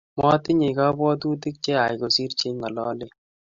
motinye kabwotutik cheyaach kosiir cheing'ololen